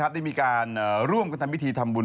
ได้มีการร่วมกันทำพิธีทำบุญ